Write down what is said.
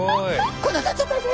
こんなんなっちゃったんです！